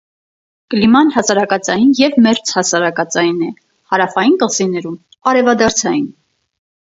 Կլիման հասարակածային և մերձհասարակածային է, հարավային կղզիներում՝ արևադարձային։